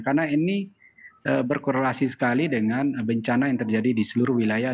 karena ini berkorelasi sekali dengan bencana yang terjadi di seluruh wilayah